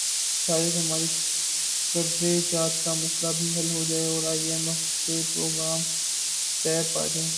شاید ہمارے قرضہ جات کا مسئلہ بھی حل ہو جائے اور آئی ایم ایف سے پروگرام طے پا جائے۔